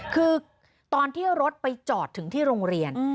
คือตอนที่รถไปจอดถึงที่โรงเรียน